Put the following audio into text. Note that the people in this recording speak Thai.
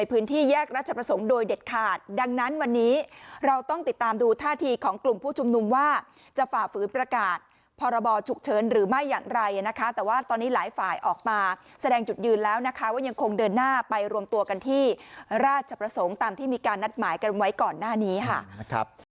พื้นที่แยกราชประสงค์โดยเด็ดขาดดังนั้นวันนี้เราต้องติดตามดูท่าทีของกลุ่มผู้ชุมนุมว่าจะฝ่าฝืนประกาศพรบฉุกเฉินหรือไม่อย่างไรนะคะแต่ว่าตอนนี้หลายฝ่ายออกมาแสดงจุดยืนแล้วนะคะว่ายังคงเดินหน้าไปรวมตัวกันที่ราชประสงค์ตามที่มีการนัดหมายกันไว้ก่อนหน้านี้ค่ะ